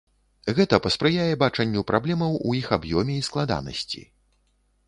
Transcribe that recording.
Гэта паспрыяе бачанню праблемаў у іх аб'ёме і складанасці.